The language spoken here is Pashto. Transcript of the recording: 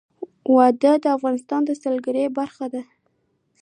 وادي د افغانستان د سیلګرۍ برخه ده.